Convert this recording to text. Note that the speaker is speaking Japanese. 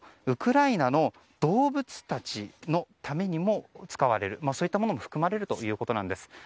ウクライナの動物たちのためにも使われるといったものも含まれるということです。